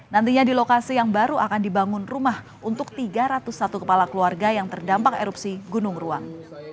nantinya di lokasi yang baru akan dibangun rumah untuk tiga ratus satu kepala keluarga yang terdampak erupsi gunung ruang